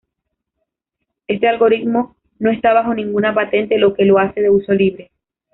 Este algoritmo no está bajo ninguna patente lo que lo hace de uso libre.